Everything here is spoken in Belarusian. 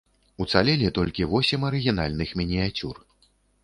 Уцалелі толькі восем арыгінальных мініяцюр.